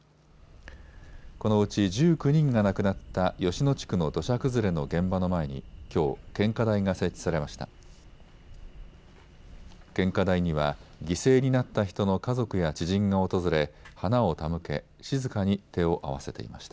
このうち１９人が亡くなった吉野地区の土砂崩れの現場の前にきょう献花台が設置されました。